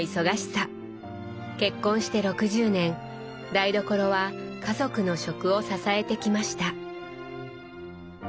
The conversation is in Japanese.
結婚して６０年台所は家族の食を支えてきました。